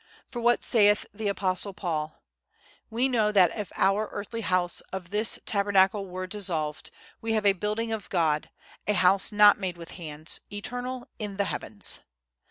For what saith the Apostle St. Paul:—'WE KNOW THAT IF OUR EARTHLY HOUSE OF THIS TABERNACLE WERE DISSOLVED, WE HAVE A BUILDING OF GOD, A HOUSE NOT MADE WITH HANDS, ETERNAL IN THE HEAVENS.